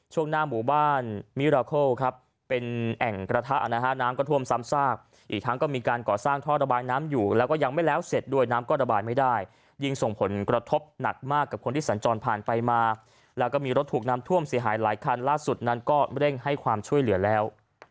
ช่วงหน้าหมู่บ้านมิราโคลครับเป็นแอ่งกระทะนะฮะน้ำก็ท่วมซ้ำซากอีกทั้งก็มีการก่อสร้างท่อระบายน้ำอยู่แล้วก็ยังไม่แล้วเสร็จด้วยน้ำก็ระบายไม่ได้ยิ่งส่งผลกระทบหนักมากกับคนที่สัญจรผ่านไปมาแล้วก็มีรถถูกน้ำท่วมเสียหายหลายคันล่าสุดนั้นก็เร่งให้ความช่วยเหลือแล้ว